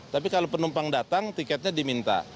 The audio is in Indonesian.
tapi kalau penumpang datang tiketnya diminta